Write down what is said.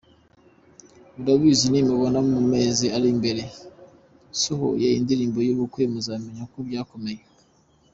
Urabizi , nimubona mu mezi ari imbere nsohoye indirimbo y’ubukwe, muzamenye ko byakomeye.